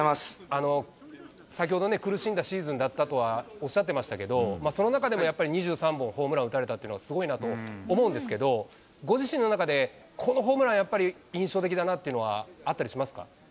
先ほどね、苦しんだシーズンだったとは、おっしゃってましたけど、その中でもやっぱり２３本ホームランを打たれたっていうのは、すごいなと思うんですけど、ご自身の中で、このホームラン、やはり印象的だなっていうのは、あったりしますか？